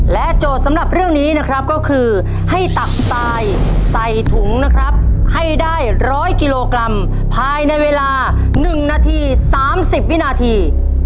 โจทย์สำหรับเรื่องนี้นะครับก็คือให้ตักตายใส่ถุงนะครับให้ได้๑๐๐กิโลกรัมภายในเวลา๑นาที๓๐วินาที